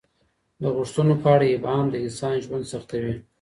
د غوښتنو په اړه ابهام د انسان ژوند سختوي.